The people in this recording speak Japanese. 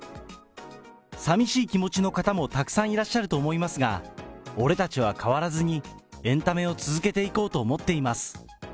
さみしい気持ちの方もたくさんいらっしゃると思いますが、俺たちは変わらずにエンタメを続けていこうと思っています。